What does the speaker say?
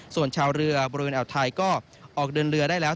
ส่วนชาวเรือบริเวณอ่าวไทยก็ออกเดินเรือได้แล้ว